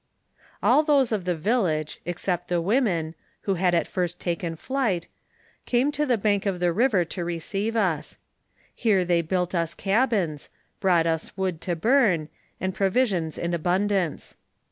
All those of the village, except the women, who had at first taken flight, came to the bank of the river to receive us. Here they built us cabins, brought us wood to burn, and pro visions in abundance.